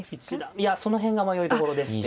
いやその辺が迷いどころでして。